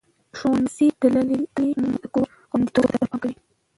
ښوونځې تللې مور د کور خوندیتوب ته پام کوي.